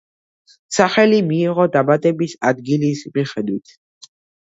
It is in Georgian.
სახელი მიიღო დაბადების ადგილის მიხედვით.